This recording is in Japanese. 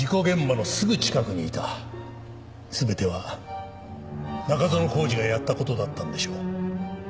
全ては中園宏司がやった事だったんでしょう。